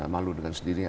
malu dengan sendirinya